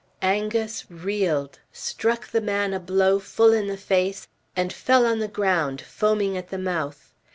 Angus reeled, struck the man a blow full in the face, and fell on the ground, foaming at the mouth.